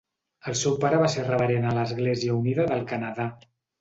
El seu pare va ser reverend a l'Església Unida del Canadà.